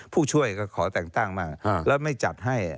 ผู้ช่วยก็ขอแต่งตั้งมาแล้วไม่จัดให้